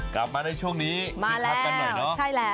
กลับมาในช่วงนี้มาแล้วใช่แล้ว